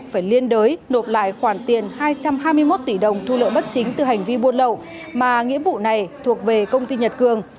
phải liên đới nộp lại khoản tiền hai trăm hai mươi một tỷ đồng thu lợi bất chính từ hành vi buôn lậu mà nghĩa vụ này thuộc về công ty nhật cường